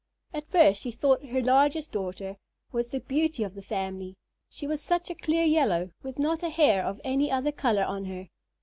At first she thought her largest daughter was the beauty of the family; she was such a clear yellow, with not a hair of any other color on her.